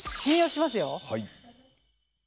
はい。